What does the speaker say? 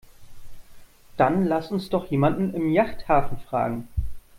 Dann lass uns doch jemanden im Yachthafen fragen.